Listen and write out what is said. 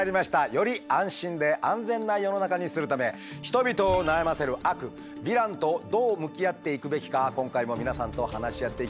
より安心で安全な世の中にするため人々を悩ませる悪ヴィランとどう向き合っていくべきか今回も皆さんと話し合っていきましょう。